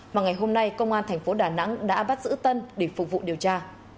mà ngày hôm nay công an thành phố đà nẵng đã bắt giữ tân để phục vụ điều tra